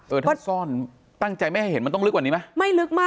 เออถ้าซ่อนตั้งใจไม่ให้เห็นมันต้องลึกกว่านี้ไหม